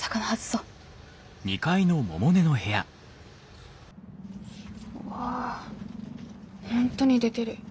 うわ本当に出てる。